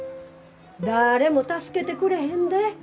だれも助けてくれへんで？